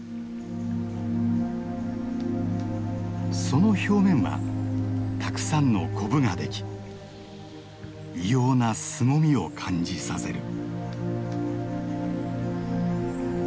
その表面はたくさんのコブができ異様なすごみを感じさせる。